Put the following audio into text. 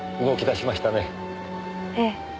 ええ。